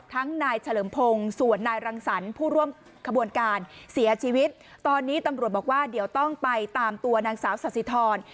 นายเฉลิมพงศ์ส่วนนายรังสรรค์ผู้ร่วมขบวนการเสียชีวิตตอนนี้ตำรวจบอกว่าเดี๋ยวต้องไปตามตัวนางสาวสาธิธร